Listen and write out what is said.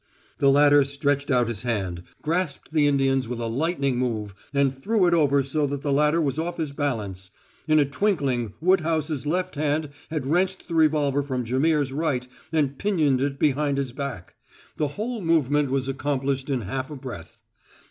The latter stretched out his hand, grasped the Indian's with a lightning move, and threw it over so that the latter was off his balance. In a twinkling Woodhouse's left hand had wrenched the revolver from Jaimihr's right and pinioned it behind his back. The whole movement was accomplished in half a breath.